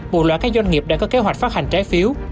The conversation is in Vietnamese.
một loạt các doanh nghiệp đã có kế hoạch phát hành trái phiếu